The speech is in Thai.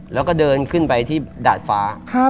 แล้วก็เดินขึ้นไปที่ดาดฟ้า